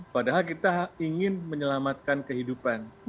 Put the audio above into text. padahal kita ingin menyelamatkan kehidupan